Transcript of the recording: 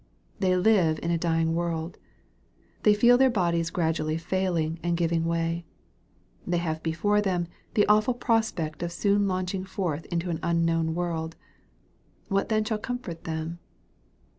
They live in a dying world. They feel their bodies gradually fail ing and giving way. They have before them the awful prospect of soon launching forth into a world unknown. What then shall comfort them